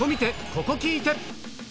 ここ聴いて！